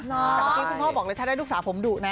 แต่พอบอกเลยถ้าได้ลูกสาวผมดุนะ